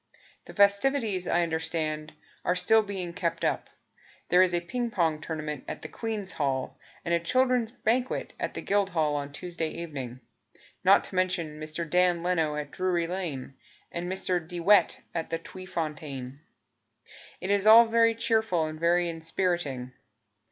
The festivities, I understand, Are still being kept up. There is a ping pong tournament at the Queen's Hall And a children's banquet At the Guildhall on Tuesday evening; Not to mention Mr. Dan Leno at Drury Lane And Mr. De Wet at the Tweefontein. It is all very cheerful And very inspiriting.